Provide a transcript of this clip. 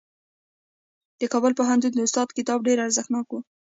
د کابل پوهنتون د استاد کتاب ډېر ارزښتناک و.